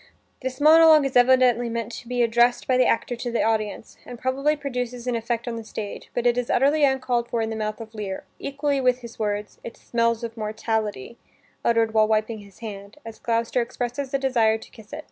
This monolog is evidently meant to be addressed by the actor to the audience, and probably produces an effect on the stage, but it is utterly uncalled for in the mouth of Lear, equally with his words: "It smells of mortality," uttered while wiping his hand, as Gloucester expresses a desire to kiss it.